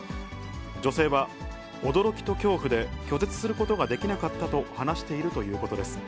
女性は、驚きと恐怖で拒絶することができなかったと話しているということです。